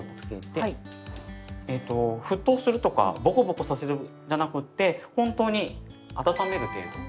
沸騰するとかボコボコさせるんじゃなくって本当に温める程度。